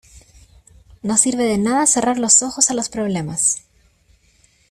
no sirve de nada cerrar los ojos a los problemas